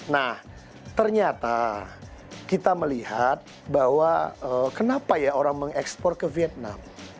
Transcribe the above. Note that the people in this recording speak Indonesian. nah ternyata kita melihat bahwa kenapa ya orang mengekspor ke vietnam